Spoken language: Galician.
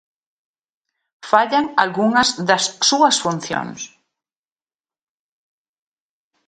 Fallan algunhas das súas funcións.